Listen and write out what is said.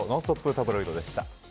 タブロイドでした。